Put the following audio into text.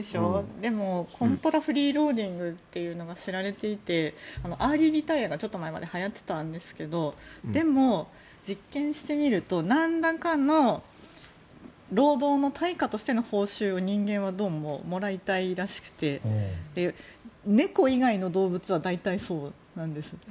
でもコントラフリーローリングというのが知られていてアーリーリタイアがちょっと前まではやっていたんですがでも、実験してみるとなんらかの労働の対価としての報酬を人間はどうももらいたいらしくて猫以外の動物は大体そうなんです。